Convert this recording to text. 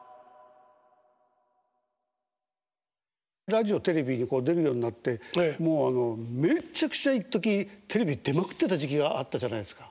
ラジオテレビに出るようになってもうあのめちゃくちゃいっときテレビ出まくってた時期があったじゃないですか。